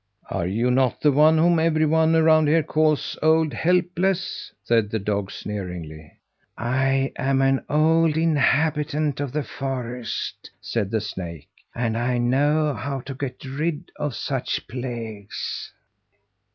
"Are you not the one whom every one around here calls old Helpless?" said the dog, sneeringly. "I'm an old inhabitant of the forest," said the snake, "and I know how to get rid of such plagues."